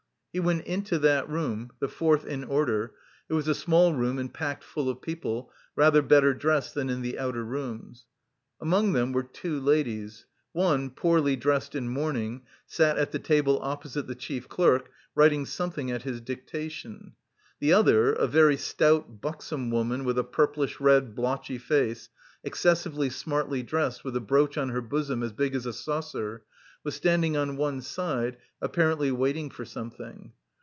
He went into that room the fourth in order; it was a small room and packed full of people, rather better dressed than in the outer rooms. Among them were two ladies. One, poorly dressed in mourning, sat at the table opposite the chief clerk, writing something at his dictation. The other, a very stout, buxom woman with a purplish red, blotchy face, excessively smartly dressed with a brooch on her bosom as big as a saucer, was standing on one side, apparently waiting for something.